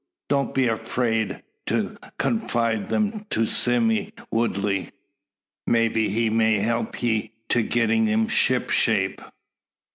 Don't be afeerd to confide them to Sime Woodley. Maybe he may help ye to gettin' 'em ship shape."